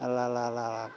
là là là là